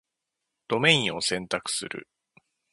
ドメインを選択する